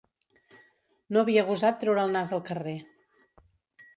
No havia gosat treure el nas al carrer